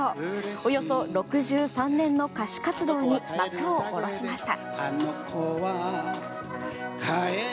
およそ６３年の歌手活動に幕を下ろしました。